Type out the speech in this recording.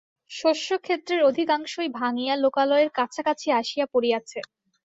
শস্যক্ষেত্রের অধিকাংশই ভাঙিয়া লোকালয়ের কাছাকাছি আসিয়া পড়িয়াছে।